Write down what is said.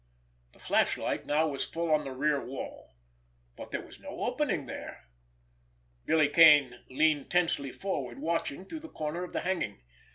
The flashlight now was full on the rear wall—but there was no opening there. Billy Kane leaned tensely forward, watching through the corner of the hanging.